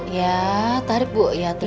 iya tarik bu ya terus